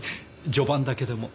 序盤だけでも。